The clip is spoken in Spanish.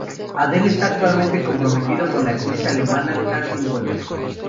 Adel está actualmente comprometido con la actriz alemana Jasmin Weber.